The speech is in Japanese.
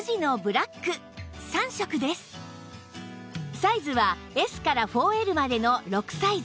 サイズは Ｓ から ４Ｌ までの６サイズ